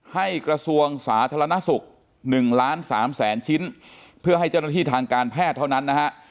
กระทรวงสาธารณสุข๑ล้าน๓แสนชิ้นเพื่อให้เจ้าหน้าที่ทางการแพทย์เท่านั้นนะฮะ